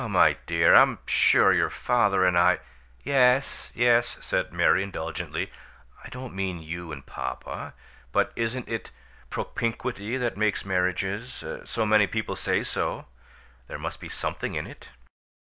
"Oh, my dear! I'm sure your father and I " "Yes, yes," said Mary, indulgently. "I don't mean you and papa. But isn't it propinquity that makes marriages? So many people say so, there must be something in it."